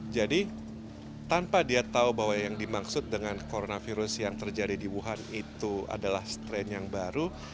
jadi tanpa dia tahu bahwa yang dimaksud dengan coronavirus yang terjadi di wuhan itu adalah strain yang baru